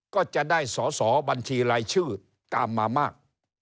ก็จะได้สอสอบัญชีรายชื่อตามมามาก